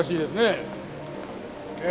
ええ。